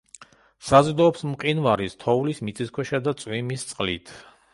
საზრდოობს მყინვარის, თოვლის, მიწისქვეშა და წვიმის წყლით.